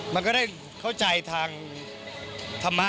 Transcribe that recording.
มันก็ได้เข้าใจทางธรรมะ